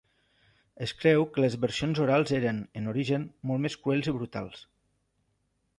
Es creu que les versions orals eren, en origen, molt més crues i brutals.